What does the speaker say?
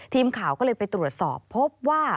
ทีมข่าวก็เลยไปตรวจสอบพบว่า